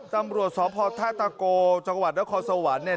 ตำรวจสพท่าตะโกจังหวัดนครสวรรค์